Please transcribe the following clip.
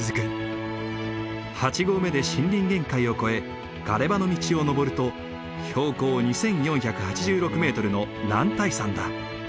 ８合目で森林限界を越えガレ場の道を登ると標高２，４８６メートルの男体山だ。